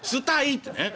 ってね